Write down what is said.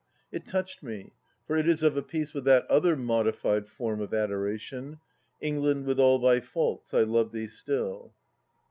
... It touched me, for it is of a piece with that other modified form of adoration :" England, with all thy faults, I love thee still."